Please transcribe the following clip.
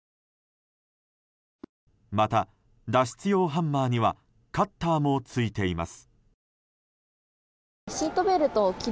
また、脱出用ハンマーにはカッターもついています。